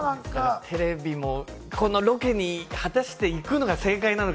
テレビもこのロケに果たしていくのが正解なのか？